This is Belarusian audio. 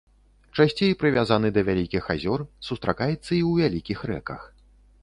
Часцей прывязаны да вялікіх азёр, сустракаецца і ў вялікіх рэках.